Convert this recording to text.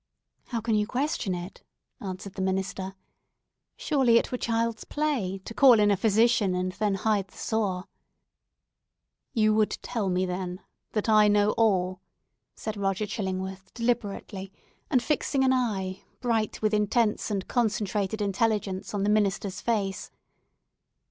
"How can you question it?" asked the minister. "Surely it were child's play to call in a physician and then hide the sore!" "You would tell me, then, that I know all?" said Roger Chillingworth, deliberately, and fixing an eye, bright with intense and concentrated intelligence, on the minister's face.